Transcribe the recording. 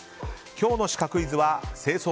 今日のシカクイズは清掃